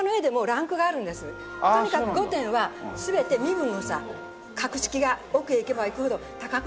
とにかく御殿は全て身分の差格式が奥へ行けば行くほど高くなるという。